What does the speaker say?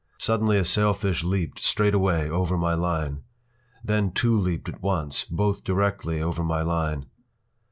Suddenly a sailfish leaped, straightaway, over my line. Then two leaped at once, both directly over my line.